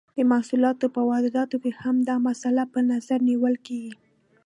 د محصولاتو په واردولو کې هم دا مسئله په نظر نیول کیږي.